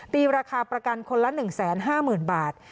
ราคาประกันคนละ๑๕๐๐๐บาท